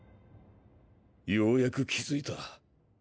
ようやく気付いた。